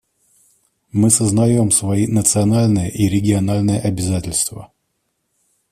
Мы сознаем свои национальные и региональные обязательства.